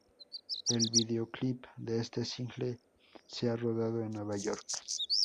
El videoclip de este single se ha rodado en Nueva York.